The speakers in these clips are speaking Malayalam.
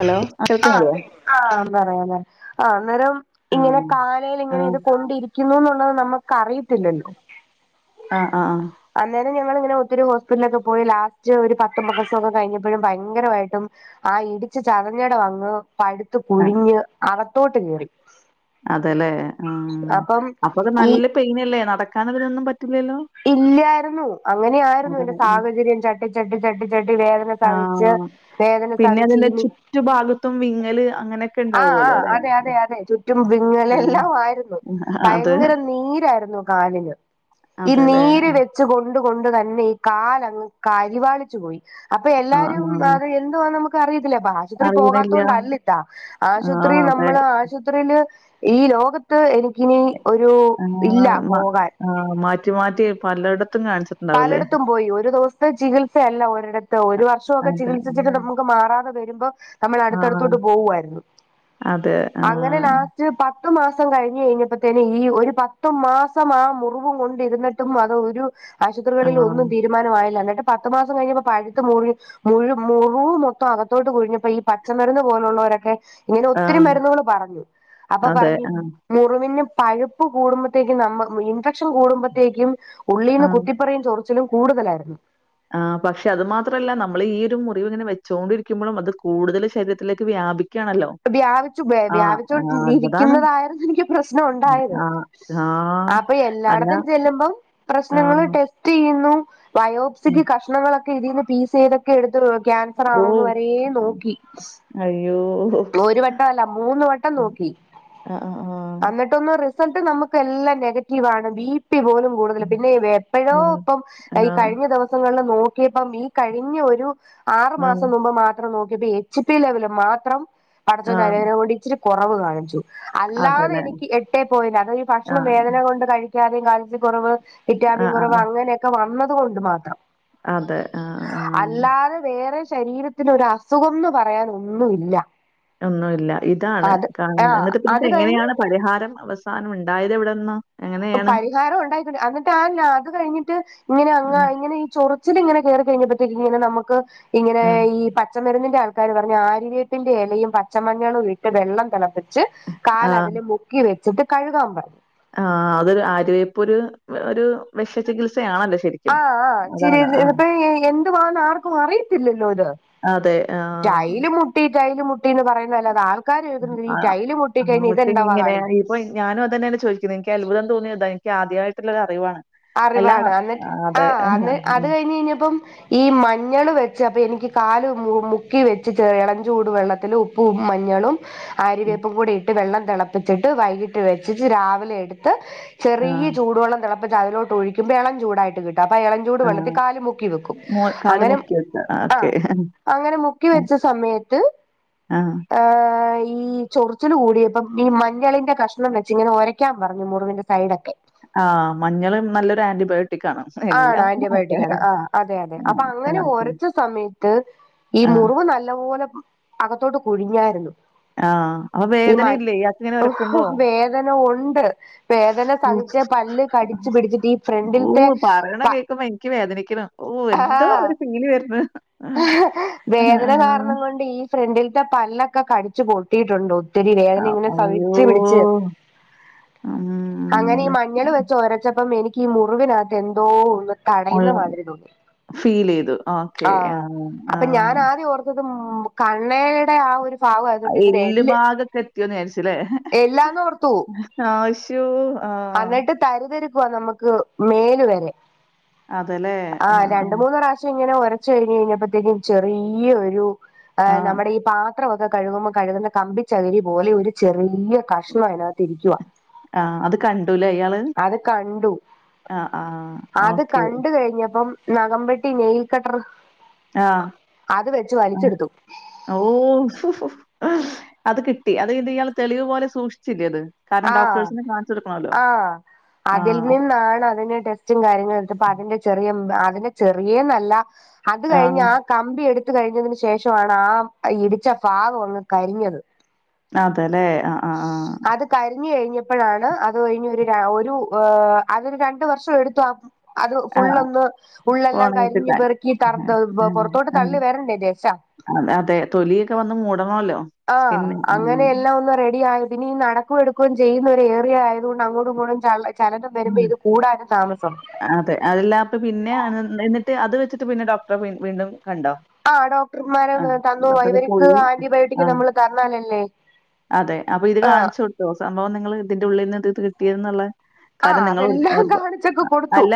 ഹലോ ആ കേൾക്കണില്ലേ? ആഹ് ആഹ് പറയാ ലേ ആഹ് അന്നേരം ആ ഇങ്ങനെ കാലേൽ ആ ഇങ്ങനെ ഇത് കൊണ്ടിരി ക്കുന്നു എന്നുള്ളത് നമ്മുക്ക് അറിയത്തില്ലല്ലോ ആഹ് ആഹ് ആഹ് അന്നേരം ഞങ്ങളിങ്ങനെ ഒത്തിരി ഹോസ്പിറ്റലിലൊക്കെ പോയി ലാസ്റ്റ് ഒരു പത്തു മാസം ഒക്കെ കഴിഞ്ഞപ്പഴും ഭയങ്കരവായിട്ടും ആ ഇടിച്ച് ചതഞ്ഞട വന്ന് പഴുത്ത ആ പുഴിഞ്ഞ് അകത്തോട്ട് കേറി അതല്ലേ ഉം അപ്പം അപ്പൊ അത് ഈ നല്ല പെയിനല്ലേ നടക്കാനിതിനൊന്നും പറ്റ് ഇല്ലായിരുന്നു അങ്ങനെയായിരുന്നു എന്റെ അതാണ് ആ സാഹചര്യം ചട്ടി ചട്ടി ചട്ടി ചട്ടി വേദ [unintelligible] ആ, സഹിച്ച് വേദന പിന്നെ സാഹിച്ച് അതിന്റെ ഈ ചുറ്റുഭാഗത്തും വിങ്ങല് അങ്ങനെയൊക്കെ ആഹ് ഉണ്ടാവുമല്ലോ ആഹ് അല്ലെ? അതെ അതെ അതെ ചുറ്റും വിങ്ങല ആ എല്ലാം ആയിരുന്നു അതെ ഭയങ്കര നീരായിരുന്നു. കാലിന് ഈ അതെല്ലേ നീര് വെച്ച് കൊണ്ട് കൊണ്ട് തന്നെ ഈ കാലങ്ങ് കരിവാളിച്ചു പോയി അപ്പൊ ആ എല്ലാരും അത് എന്തോവാന്ന് നമുക്ക് അറിയത്തില്ല ബ ആ ആശുപത്രി അറിയണില്ല പോകാത്തോണ്ടല്ലിത്താ, ആ ആശുപത്രി അതെ നമ്മള് ആശുത്രിയില് ഈ ലോക ത്ത് എനിക്കിനി ഒരു ഇല്ല പോകാൻ ആഹ് മാറ്റി മാറ്റി പലയിടത്തും കാണിച് പലയിടത്തും പോയി ഒരു ദിവസത്തെ ചികിത്സയല്ല ഒരിട ത്ത് ഒരു വർഷവൊക്കെ അതെ ചികിത്സിച്ചിട്ട് ഉം. നമുക്ക് മാറാതെ വരുമ്പോ നമ്മൾ ആ അടുത്തടുത്തോട്ട് പോവുായിരുന്നു അതെ ആ അങ്ങനെ ലാ പത്ത് മാസം കഴിഞ്ഞ് കഴിഞ്ഞപ്പത്തേന് ഈ ഒരു പത്ത് മാസം ആ മുറിവും കൊണ്ടിരുന്നിട്ട് ട്ടും അത് ഒരു ആ ആശുപത്രികളിൽ ഒന്നും തീരുമാനമായില്ല എന്നിട്ട് പത്ത് മാസം കഴിഞ്ഞപ്പോ പഴുത്ത് മുറി മുഴു മുറിവ് മൊത്തം അകത്തോട്ട് കുഴിഞ്ഞപ്പോ ഈ പച്ചമരുന്ന് പോലുള്ളവരൊക്കെ ഇങ്ങനെ ആ ഒത്തിരി മരുന്നുകൾ പറഞ്ഞു അപ്പൊ അതെ പറഞ്ഞു ആ മുറിവിന്ന് പഴുപ്പ് കൂടുമ്പോഴത്തേക്കും നമ്മ ഇൻഫെക്ഷൻ കൂടുമ്പഴത്തേക്കും ആ ഉള്ളിൽന്ന് കുത്തി പറിയും ചൊറിച്ചിലും കൂടുതലായിരുന്നു. ആ പക്ഷെ അത് മാത്രമല്ല നമ്മൾ ഈ ഒരു മുറിവ് ഇങ്ങനെ വെച്ചോണ്ടിരിക്കുമ്പോഴും അത് കൂടുതൽ ശരീ രത്തിലേക്ക് വ്യാപിക്കയാണല്ലോ വ്യാപിച്ചു വ്യാ വ്യാപിച്ചോ അതാണ്. ഇരിക്കുന്നതായിരുന്നു എനിക്ക് പ്രശ്നം ഉണ്ടായത്. ആഹ് ആഹ് അപ്പൊ അല്ല എല്ലായിടത്തും ചെല്ലുമ്പം പ്രശ്നങ്ങള് ആഹ് ട്ടെ സ്റ്റ് ചെയുന്നു ഉം. വയോപ്സിക്ക് കഷ്ണങ്ങളൊക്കെ ഇതിന്ന് പീസ് ചെയ്തൊക്കെ എടുത്ത് ക്യാൻ സറാണോന്ന് ഓഹ്! വരേ നോക്കി. അയ്യോ ഒരു വട്ട അല്ല മൂന്ന് വട്ടം ഉം. നോക്കി ആഹ് ആഹ് ആഹ്. അന്നി ട്ടൊന്നും റിസൾട്ട് നമുക്ക് എല്ലാം നെഗറ്റീവാണ് ബി പി പോലും കൂടുതൽ ഉം. പിന്നെ എപ്പഴോ ഇപ്പം ഈ ആഹ് കഴിഞ്ഞ ദിവസങ്ങളിൽ നോ ക്കിയപ്പം ഈ കഴിഞ്ഞ ഒരു ആറു ആഹ് മാസം മുമ്പ് മാത്രം നോക്കിയപ്പോ എച്ച് പി ലെവൽ മാത്രം ആഹ്. പഠച്ചോന്റനുഗ്രഹം കൊണ്ട് ഇച്ചിരി കുറവ് കാണിച്ചു. അതേല്ലേ. അല്ലാതെനിക്ക് എട്ടേ പോയിന്റ് അത് ഈ ഭക്ഷണം ആഹ് വേദന കൊണ്ട് കഴിക്കാതെയും കാൽസ്യ കുറവ് വിറ്റാമിൻ ആഹ് കുറവ് ആഹ്. അങ്ങനെയൊക്കെ വന്നത് കൊണ്ട് മാത്രം അതെ ആഹ് ആഹ് അല്ലാതെ വേറെ ശരീരത്തിനൊരുസുഖന്ന് പറയാൻ ഒന്നുമില്ല ഒന്നുമില്ല ഇതാണ് അത് ആഹ് എന്നിട്ട് പിന്നെ അത് കഴിഞ്ഞ് എങ്ങനെയാണ് പരിഹാരം അവസാനം ഉണ്ടായത് എവിടുന്ന പരിഹാരം ഉണ്ടായി എന്നിട്ട് ആഹ് ല അത് കഴിഞ്ഞിട്ട് ഇങ്ങനെ അ ഉം. ഇങ്ങനെ ഈ ചൊറു ച്ചില് ഇങ്ങനെ കേറി കഴിഞ്ഞപ്പത്തേക്ക് ഇങ്ങനെ നമ്മുക്ക് ഇങ്ങനെ ആഹ് ഈ പച്ചമരുന്നിന്റെ ആൾക്കാര് പറഞ്ഞ് ആര്യവേപ്പിന്റെ ഇലയും പച്ചമഞ്ഞളും ഇട്ട് വെള്ളം തിളപ്പിച്ച് ആഹ്. കാല് അതില് മുക്കി വെച്ചിട്ട് കഴുകാൻ പറഞ്ഞു ആഹ് അതൊരു ആര്യവേപ്പ് ഒരു ഒരു വിഷചികിത്സയാണല്ലോ ശരിക്കും ആഹ് ആഹ് ശരി അതാണ് ആഹ്. ഇപ്പ എന്തുവാന്ന് ആർക്കും അറിയത്തില്ലല്ലോ ഇത് അതെ ആഹ്. ടൈല് മുട്ടി ടൈല് മുട്ടി എന്ന് പറയുന്ന അല്ലാതെ ആർക്കും [unintelligible] ആഹ് ടൈല്മുട്ടി കഴിഞ്ഞ അങ്ങോട്ട് ഇതെന്തണ്ടവാ ഇങ്ങനെ കളി ഇപ്പൊ ഞാനും അതന്നെയാണ് ചോദിക്കുന്നത് എനിക്ക് അത്ഭുതം തോന്നിയ അത എനിക്ക് ആദ്യമായിട്ടുള്ള അറിവാണ് അല്ല അറിവാണ് അന്നിട്ട് ആ, അതെ ആഹ് അന്ന് അത് ഉം കഴിഞ്ഞ് കഴിഞ്ഞപ്പം ഈ മഞ്ഞൾ വെച്ച് അപ്പൊ എനിക്ക് കാല് മുക്കി വെച്ച് ഇള ചൂട് വെള്ളത്തില് ഉപ്പ് ഉപ്പും മഞ്ഞളും ആര്യവേപ്പും കൂടി ഇട്ട് വെള്ളം തിളപ്പിച്ചിട്ട് വൈകിട്ട് വെച്ചിട്ട് രാവിലെ എടുത്ത് ചെറിയ ആഹ് ചൂടു വെള്ളം തിളപ്പിച്ചതിലോട്ട് ഒഴിക്കുമ്പോ ഇളം ചൂടായിട്ട് കിട്ടും അപ്പ ഇളംചൂട് വെള്ളത്തി ആഹ് കാല് മുക്കി വെക്കും മോ കാല് അങ്ങനെ മുക്കി വെക്ക ഓക്കെ ആഹ് അങ്ങനെ മുക്കി വെച്ച സമയത്ത് [inaudible] ഈ ചൊറിച്ചില് കൂടിയപ്പം ഈ മഞ്ഞളിന്റെ കഷ്ണം വെച്ച് ഇങ്ങനെ ഒരയ്ക്കാൻ പറഞ്ഞു മുറിവിന്റെ സൈഡൊക്കെ ആഹ് മഞ്ഞള് നല്ലൊരു ആന്റിബയോട്ടിക്ക് ആണ് ആണ് ആന്റിബയോട്ടിക്ക് ആണ് ആഹ് അതെ അതെ അപ്പൊ ആഹ് അങ്ങനെ ആഹ് ഓക്കെ. ഒരച്ച സമയത്ത് ഈ ആഹ് മുറിവ് നല്ല പോലെ അകത്തോട്ട് കുഴിഞ്ഞായിരുന്നു ആഹ് അപ്പൊ ഈ മ വേദനയില്ലേ ഇയാക്കിങ്ങനെ ഒരക്കുമ്പോ? വേദന ഉണ്ട് വേദന സഹിച്ച് പല്ല് ഉഫ് കടിച്ച് പിടിച്ചിട്ട് ഈ ഓ! ഫ്രണ്ടിലത്തെ പറയണ പ കേക്കുമ്പോ എനിക്ക് വേദനിക്കണു ഓ എന്തോ ആഹ് ഒരു ഫീല് വരുന്ന വേദന കാരണം കൊണ്ട് ഈ ഫ്രണ്ടിലത്തെ പല്ലൊക്കെ കടിച്ചു പൊട്ടിയിട്ടുണ്ടോ ഒത്തിരി വേദന ഇങ്ങനെ അയ്യോ! സഹിച്ച് പിടിച്ച് അങ്ങനെ ഈ മ്മ്. മഞ്ഞൾ വെച്ച് ഒരച്ചപ്പം എനിക്ക് ഈ മുറിവിനകത്ത് എന്തോ ഒന്ന് തടയുന്ന ഉള്ളത് മാതിരി തോന്നി ഫീൽ ചെയ്തു ആഹ് ഓക്കെ. ആഹ് അപ്പൊ ഞാൻ ആഹ്. ആദ്യം ഓർത്തത് കണ്ണയുടെ ആ ഒരു ഭാഗം ആയതുകൊണ്ട് ഇതിന് എല്ല് ഭാഗത്ത് എത്തിയന്ന് വിചാരിച്ചില്ലേ എല്ലാന്ന് ഓർത്തു [unintelligible] ആഹ് തരുതരിക്കുവാ നമ്മുക്ക് മേല് വരെ ആഹ് രണ്ട് മൂന്ന് പ്രാവശ്യം ഇങ്ങനെ ഒര ച്ച് കഴിഞ്ഞപ്പോത്തേക്കും ചെറിയ ഒരു ആഹ്. നമ്മുടെ ഈ പാ പത്രൊക്കെ കഴുകുമ്പോൾ കഴുകുന്ന കമ്പിച്ചകിരി പോലെ ഒരു ചെറിയ കഷ്ണം അതിനകത്ത് ഇരിക്കുവാ ആഹ് അത് കണ്ടൂല്ലേ ഇയാള് അത് കണ്ടു ആഹ്. ആഹ്. അത് ഓക്കെ. കണ്ട് കഴിഞ്ഞപ്പം നഖം വെട്ടി നെയിൽ കട്ടറ് ആഹ് ആഹ് ഓ അത് കിട്ടി അത് കി ഇയാള് തെളിവ് പോലെ സൂക്ഷിച്ചില്ലെ അത് കാരണം ആഹ് ഡോക്ടേഴ്സിനെ കാണിച്ചു കൊടുക്കണല്ലോ. ആഹ് അതിൽ ആഹ്. നിന്നാണ് അതിടെ ച്ചും കാര്യങ്ങളും എടുത്തപ്പോ അതിന്റെ ചെറിയ അതിന്റെ ചെറിയന്നല്ല അത് കഴിഞ്ഞഞ് ആഹ് കമ്പി എടുത്ത കഴിഞ്ഞതിന് ശേഷമാണ് ആ ഇടിച്ച ഭാഗം ഒന്ന് കരിഞ്ഞത് അതെല്ലെ ആഹ് ആഹ് ആഹ് കരിഞ്ഞ കഴിഞ്ഞപ്പോഴാണ് അത് കഴിഞ്ഞ ഒരു ഒരു അതൊരു രണ്ട വർഷം എടുത്തു ആ അത് ആഹ് ഫുള്ളൊന്ന് ഉള്ളെല്ലാം ഒണങ്ങി കരിഞ്ഞഞ് കിട്ടാൻ. പെറുക്കി തറ ആഹ് ആഹ് പുറത്തോട്ട് ആഹ്. തള്ളി വരണ്ടേ ദശ അത് അതെ തൊലിയൊക്കെ വന്ന് മൂടണോല്ലോ. ആഹ് സ്കിന്ന് അങ്ങനെ ഉം എല്ലാം ഒന്ന് റെഡി ആയി ഇനി നട പക്കും എടുക്കുകയും ചെയ്യുന്ന ഒരു ഏറയ ആയതുകൊണ്ട് അങ്ങോട്ടും ഇങ്ങോട്ടും ച ചലനം വരുമ്പോ ഉം. ഇത് കൂടാനും താമസം അതെ അതല്ല അപ്പ പിന്നെ എന്നിട്ട് അത് വെച്ചിട്ട് പിന്നെ ഡോക്ടറെ വീണ്ടും പോയി കണ്ടോ ആഹ് ഡോക്ടർമാര് ആഹ്. തന്ന അതൊക്കെ ഇവർക്ക് പോയി ആന്റിബയോട്ടിക്ക് ആഹ് നമ്മൾ തരണാലല്ലേ അതെ അപ്പൊ ഇത് കാണിച്ചു കൊടുത്തോ സംഭവം നിങ്ങൾ ഇതിന്റെ ഉള്ളിൽ നിന്ന് ഇത് ഇത് കിട്ടിയത് എന്നുള്ള ആഹ് കാരണം നിങ്ങൾ അതെല്ലാം ഒരു കാണിച്ചൊക്കെ കൊടുത്തു അല്ല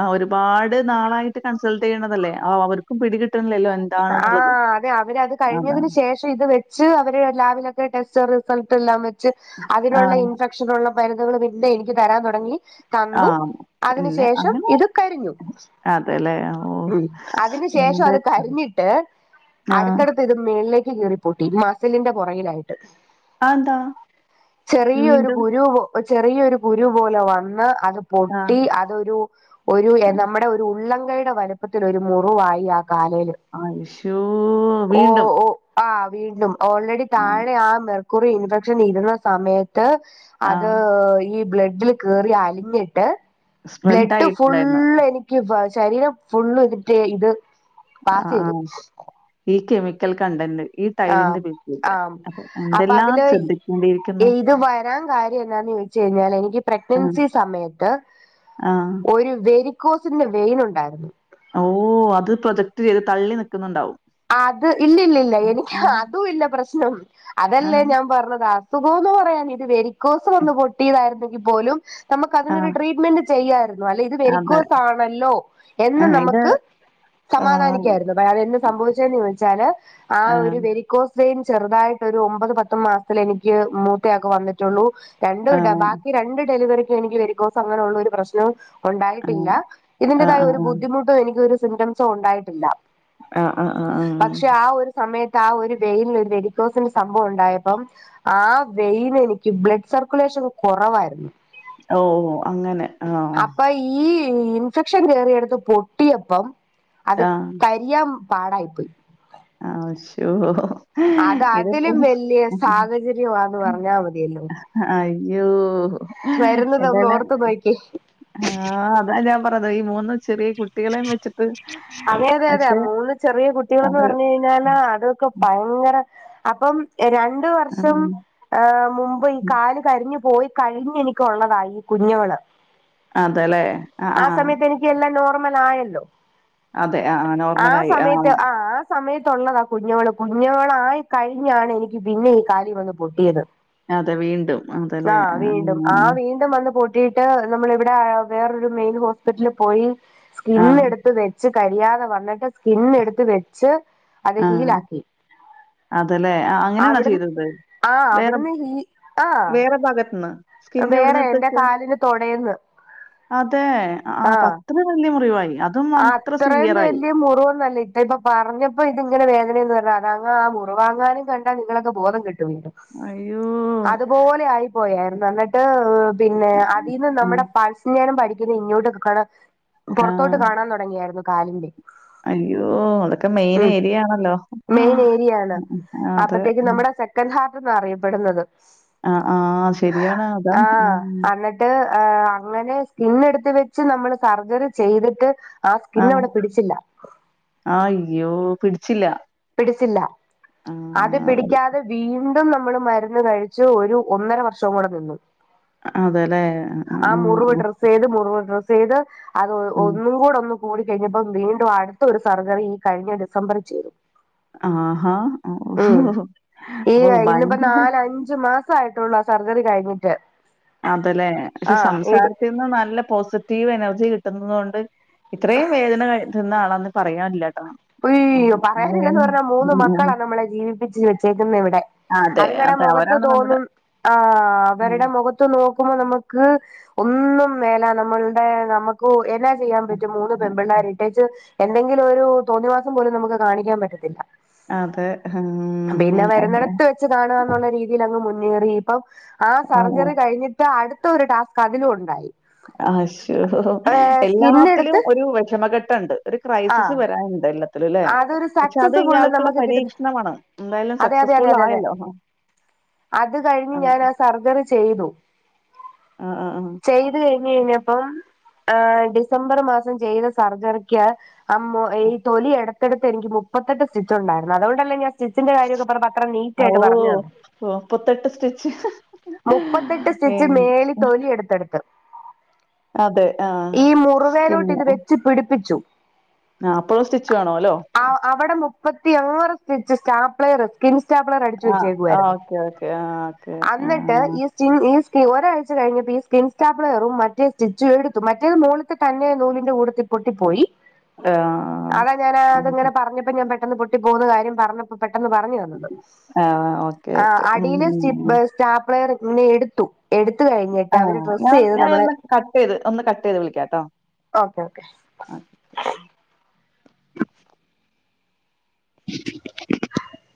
ആഹ് ഒരുപാട് നാളായിട്ട് കൺസൾട്ട് ചെയ്യണതല്ലേ അ അവർക്കും പിടിികിട്ടണില്ലല്ലോ എന്താ ആഹ് അതെ അവരത് കഴിഞ്ഞതിന് ശേഷം ക്ഷ ഇത് വെച്ച് അവ ലാബിലൊക്കെ ടെസ്റ്റ് റിസൾട്ട് എല്ലാം വെച് അതിനുള ആഹ് ഭക്ഷണ മരുന്നകളും ഇന്ന എനിക്ക് തരാൻ തുടങ്ങി തന്നു ആഹ്. അതിനു പിന്നെ ശേഷം അങ്ങനെ ഇത് കരിഞ്ഞു അതെല്ലേ ഓഹ്! ഉം അതിന് ശേഷം എന്താ അത് കരിഞ്ഞിട്ട് ആഹ്. അടുത്തടുത്ത് ഇത് മുകളിലേക്ക് കീറി പോട്ടി മസലിന്റെ പുറയിലായിട്ട് അതെന്താ? ചെറിയൊരു വീണ്ടും കുരുവോ ചെറിയൊരു കുരു പോലെ വന്ന് അത് ആഹ്. പൊട്ടി അതൊരു ഒരു നമ്മുടെ ഒരു ഒരു ഉള്ളങ്കയുടെ വലുപ്പത്തിൽ ഒരു മുറിവായി ആ കാലൽ ആശോ വീണ്ടും ആഹ് വീണ്ടും ഓൾറെഡി ആഹ്. താഴെ ആ മെർക്കുറി ഇൻഫെക്ഷൻ ഇരുന്ന സമയത്ത് അത് ആഹ്. ഈ ബ്ലഡിൽ കറി അലിഞ്ഞിട്ട് സ്പ്രെഡ് ബ്ലഡ് ആയിട്ടുണ്ടായിരുന്നു. ഫുള് എനിക്ക് ശരീരം ഫുള്ള് ഇതിട്ട് ഇത് പാസ് ആഹ് ചെയ്തു ആഹ് ഈ കെമിക്കൽ കണ്ടന്റ് ഈ ആഹ് ടൈലിന്റെ പേരിലിട്ട്. ആഹ് അപ്പൊ എന്തെല്ലാം അതില് ശ്രദ്ധിക്കേണ്ടിയിരിക്കുന്നു. ഏത് വരാൻ കാര്യം എന്താന്ന് ചോദ ഞാൽ എനിക്ക് ആഹ്, പ്രഗ്നൻസി സമയത്ത് ആഹ്. ഒരു വെയ് ക്കൊസിന്റെ വെയിന ഉണ്ടായിരുന്നു ഓഹ് അത് പ്രൊജക്ട് ചെയ്ത് തള്ളി നിക്കുന്നുണ്ടാവും അത് ഇല്ലല്ലല്ല എനിക്ക് ആഹ്, അതും ഇല്ല പ്രശ്നം അതല്ലേ ആഹ്, ഞാൻ പറഞ്ഞതാ സുഖമന്ന് പറയാൻ ഇത് വെരിക്കോസ് വന്ന് പൊട്ടിയതായിരുന്നെങ്കിൽ പോലും നമുക്ക് അതിനൊരു ആഹ്. ട്രീറ്റ്മെന്റ് ചെയ്യായിരുന്നു അല്ല ഇത് അതെ. വെരിക്കോസ് ആണല്ലോ എന്ന് ആഹ്, ഇത് നമുക്ക് ആഹ്, സമാധാനിക്കായിരുന്നു അ അതെന്ത് സംഭവിച്ചതെന്ന് ചോദിച്ചാല് ആ ആഹ്, ഒരു വ്യ ക്കൊസ് വെയ്ൻ ചെറുതായിട്ട് ഒരു ഒമ്പത് പത്ത മാസത്തിൽ എനിക്ക് മൂത്തയാക്കെ വന്നിട്ടുള്ളൂ രണ്ടരുടെ ആഹ്, ബാക്കി രണ്ട് ഡെലിവറീക്ക് എനിക്ക് വെരികോസ അങ്ങനെയുള്ള രു പ്രശ്നം ഉണ്ടായിട്ടില്ല ആഹ്. ആഹ്, ഇതിന്റതായ ആഹ്, ഒരു ആഹ്. ബുദ്ധിമുട്ടോ എനിക്ക് ഒരു സിംറ്റംസോ ഉണ്ടായിട്ടില്ല ആഹ് ആഹ് ആഹ് ആഹ്. പക്ഷെ ആ ഒരു സമയത്ത് ആ ഒരു വെനൽ ഒരു വെലിക്കോസിന്റെ സംഭവം ഉണ്ടായപ്പം ആ വെയിനെനിക്ക് എനിക്ക് ബ്ലഡ് സർക്കുലേഷൻ കുറവായിരുന്നു ഓഹ് ഓഹ് അങ്ങനെ ആഹ് അപ്പൊ ഈ ഇൻഫെക്ഷൻ കയറടുത്ത് പൊട്ടിയപ്പം അത് ആഹ്. കരിയാൻ പാടായി [unintelligible] ആശോ. അത് അതിലും വല്ല്യ സാഹചര്യവാന്ന് പറഞ്ഞാ മതിയല്ലോ. അ അയ്യോ ഹൊ. വരുന്നതൊന്നോർത്തു നോക്ക്യേ. ആഹ് അതാ ഞാൻ പറഞ്ഞത് ഈ മൂന്ന് ചെറിയ കുട്ടികളെം വെച്ചിട്ട്. അതെ അതെ അതെ പക്ഷെ മൂന്ന് ചെറിയ കുട്ടികളന്ന് അത് പറഞ്ഞു കഴിഞ്ഞാല് മ്മ്. അതൊക്കെ ഭയങ്കര. അപ്പം എ രണ്ടു വർഷം. ഏഹ് മുമ്പ് ഈ മ്മ്. കാല് കരിഞ്ഞു പോയി കഴിഞ്ഞെനിക്കള്ളതായി ഈ കുഞ്ഞവള്. അതെ ലേ. ആ സമയത്ത് എനിക്ക് എല്ലാം നോർമൽ ആയല്ലോ അതെ. ആ, ആ നോർമലായി. സമയത്ത് ആ. സമയത്തുള്ളതാ കുഞ്ഞവള് കുഞ്ഞുവളായി കഴിഞ്ഞാണ് എനിക്ക് പിന്നെ ഈ കാര്യം വന്ന് പൊട്ടിയത്. അതെ വീണ്ടും അതെലെ ആഹ്. തം വന്ന് പൊട്ടിയിട്ട് നമ്മള് ഇവിടെ വേറെ ഒരു മെയിൻ ഹോസ്പിറ്റലിൽ പോയി ആ, സ്കിന്ന് എടുത്ത് വെ ച്ച് കഴിയാതെ വന്നിട്ട് സ്കിന്ന് എടുത്ത് വെച്ച് അത് ഹീൽ ആക്കി. അതലേ ആഹ് അങ്ങനെയാണോ ചെയ്തത്. ആഹ് വേറെ അവിടുന്ന് ഹീ ആഹ് വേറെ ഭാകത്ത്ന്ന് സ്കിന്ന് എവിട്ന്ന വേറെ എടുത്ത് എന്റെ വെക്ക. കാലിന് തൊടേന്ന് അതെ ആഹ് പത്രേം വല്ല്യ മുറിവായി അതും അത്ര സീവിയർ ആയി. മുറിവൊന്ന് അല്ലെ. ഇപ്പൊ പറഞ്ഞപ്പോ ഇത് ഇങ്ങനെ വേദനയൊന്നും അല്ല അത അങ്ങാഹ് മുറിവാങ്ങാനും കണ്ടാ നിങ്ങളൊക്കെ ബോധം കെട്ട് വീഴും. അയ്യോ. അതുപോലെ ആയി പോയായിരുന്നു എന്നിട്ട് പിന്നെ അതിന്ന് നമ്മുടെ പാ ഞാനും പഠിക്കുന്ന ഇങ്ങോട്ട് ഒക്കക്കാട ആ. പൊർത്തോട്ട് കാണാൻ തൊടങ്ങിയായിരുന്നു കാലിന്റെ. അയ്യോ അതൊക്കെ മെയിൻ ഉം ഏരിയ ആണല്ലോ ഹാ മെയിൻ അതെ. കൻഹാർട്ട് എന്ന അറിയപ്പെടുന്നത്. ആഹ് ആഹ് ശരിയാണ് അതാണ് ആഹ്. ട്ട് അങ്ങനെ സ്കിന്ന് എടുത്ത് വെച്ച് നമ്മള് സർജറി ചെയ്തിട്ട്. ആ സ്കിന്ന് അവിടെ പിടിച്ചില്ല. അയ്യോ പിടിച്ചില്ല. പിടിച്ചില്ല ആ. അത് പിടിക്ക്യാതെ വീ ണ്ടും നമ്മള് മരുന്ന് കഴിച്ച് ഒരു ഒന്നര വർഷവും കൂടെ നിന്നു. അതെല്ലേ. ആ മുറിവ് ഡ്രസ്സ്‌ ചെയ്ത് മുറിവ് ഡ്രസ്. സെയ്ത് അത് ഒ ഉം. ഒന്നും കൂടൊന്നു. കൂടിക്കഴിഞ്ഞപ്പം വീണ്ടും അട്ത്ത ഒരു സർജറി ഈ കഴിഞ്ഞ ഡിസംബറി ചെയ്തു. ആഹാ ഓഹോ ഉം ഹോ അപ്പൊ ബയങ്കര. അഞ്ചു മാ സായിട്ടൊള്ളു ആ സർജറി കഴിഞ്ഞിട്ട്. അതലെ പക്ഷെ ആഹ് ഇട് സംസാരത്തിന്ന് നല്ല പോസിറ്റീവ് എനർജി കിട്ടുന്നത് കൊണ്ട്. ഇത്രേം വേദന ക തിന്നാ ആളാന്ന് പറയാല്ലട്ടോ. അയ്യോ പറയാനില്ലന്ന് പറഞ്ഞാ മൂന്ന് മക്കളാ നമ്മളെ ജീവിപ്പിച്ച് വെച്ചേക്കുന്ന ഇവിടെ. അതെ. അത്ങ്ങടെ അതെ. മുഖത്ത് അവരാണ് നമ്മുടെ. തോന്നും ആഹ് അവരുടെ ഉം. മുഖത് ത്ത് നോക്കുമ്പൊ നമക്ക് ഒന്നും മേല നമ്മൾടെ നമക് ക്കു എന്നാ ചെയ്യാൻ പറ്റും മൂന്ന് പെൺപിള്ളേരിട്ടേച്ച് എന്തെങ്കിലു ഒരു. തോന്നി വാസം പോലും നമുക്ക് കാണിക്ക്യാൻ പറ്റത്തില്ല. അതെ. പിന്നെ ഉം. വരുന്നിടത്ത് വെച്ച് കാണാന്നുള്ള രീ തിലങ്ങ് മുന്നേറി ഇപ്പം ആ ആണോ? സർജറി കഴിഞ്ഞിട്ട അടുത്ത ഒരു ടാസ്ക് അതിലു ഉണ്ടായി. അശോ, സ്കിന്ന് എല്ലാത്തിലും എടുത്ത് ഒരു വിഷമഘട്ടം ഉണ്ട്. ഒരു ആ ക്രൈസിസ് വരാനുണ്ട് എല്ലാ തിലും ല്ലേ? അതൊരു പക്ഷെ, അത് സക്സസ് ഫുള്ള് ഇയാൾക്കുള്ള നമുക്ക് കിട്ടുന്ന പരീക്ഷണമാണ്. എന്തായാലും അതെ അതെ സക്സസ് അതെ ഫുൾ അതെ അതെ ആയല്ലോ? അത് കഴിഞ്ഞ്, അതെ. ഞാൻ ആഹ്, സർജറി ചെയ്തു. ആഹ്, ആഹ്, ആഹ് ചെയ്ത് കഴിഞ് കഴിഞ്ഞപ്പം, ഡിസംബർ മാസം ചെയ്ത സർജറിക്ക്. അമ്മോ, ഈ തൊലി എടുത്തെടുത്ത് എനിക്ക് മുപ്പത്തെട്ട് സ്റ്റിച്ച്ണ്ടായിരുന്നു. അതുകൊണ്ടല്ലെ ഞാ സ്റ്റിച്ചിന്റെ കാര്യൊക്കെ പറഞ്ഞപ്പോ, അത്ര നീറ്റ് ആയിട്ട് ഓഹ്! പറഞ്ഞത്. ഓഹ് സ്റ്റിച്ച്. മുപ്പത്തെട്ട് സ്റ്റിച്ച് ഏഹ്, മേളി തൊലി എടുത്തെടുത്ത്. അതെ. ആ. ഈ, മുറിവേലോട്ട് ഇത് വെച്ച് പിടിപ്പിച്ചു. ആഹ്, അപ്പോഴും സ്റ്റിച്ച് വേണോല്ലോ? ആഹ്, അവിടെ മുപ്പത്തിയാറ് സ്റ്റിച്ച് സ്റ്റാ പ്ലെയർ വെച്ച്. സ്കിൻ സ്റ്റാപ്പ്ളർ അടിച്ചു ആ. ആ വെച്ചേക്കായിരുന്നു. Okay, okay. ആ ഓക്കെ. ആ. അന്നിട്ട് ഈ സ്റ്റി ഈസ് ഒരഴ്ച കഴിഞ്ഞപ്പോൾ, ഈ സ്കിൻ സ്റ്റാപ്ലറും മറ്റേ സ്റ്റിച്ചും എടുത്തു. മറ്റേ മുകളിൽ തന്നെ നൂലിന്റെ കൂടത്തിൽ പൊട്ടിപ്പോയി. ആഹ് അതാ, ഞനാ അത് ഇങ്ങനാ പറഞ്ഞപ്പ ഞാൻ പെട്ടന്ന് പൊട്ടി പോകുന്ന കാര്യം പറഞ്ഞ പെട്ടെന്ന് പറഞ്ഞ് തന്നത്. ആ ഓക്കെ, ഓക്കെ. അടിലെ സ്റ്റി ഉം. ബെ സ്റ്റാ പ്ലെയർ പിന്നെ എടുത്തു. എടുത് കഴിഞ്ഞിട്ട് ആ അവര് ഡ്രസ്സ് ഞാൻ ചെയ്ത് നമ്മള്. ഞാനൊന്ന് കട്ട് ചെയ്ത്. ഒന്ന് കട്ട് ചെയ്ത് വിളിക്കാം കേട്ടോ? Okay, okay [inaudible]